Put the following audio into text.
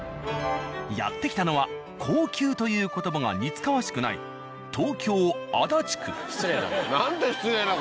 やって来たのは高級という言葉が似つかわしくない東京失礼な。